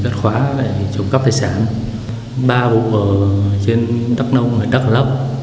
đối tượng đã dùng tiềm cắp tài sản ba vụ trộm cắp tài sản trên địa bàn huyện đắk nông và huyện đắk lấp